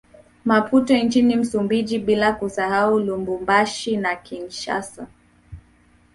Maputo nchini Msumbiji bila kusahau Lubumbashi na Kinshasa